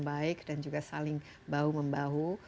baik dan juga saling bahu membahu